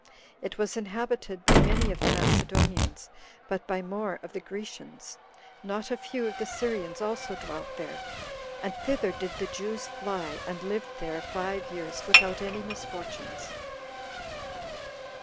It was inhabited by many of the Macedonians, but by more of the Grecians; not a few of the Syrians also dwelt there; and thither did the Jews fly, and lived there five years, without any misfortunes.